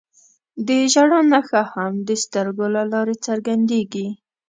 د ژړا نښه هم د سترګو له لارې څرګندېږي